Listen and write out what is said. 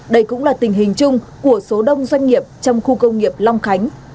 đây cũng là tình hình chung của số đông doanh nghiệp trong khu công nghiệp long khánh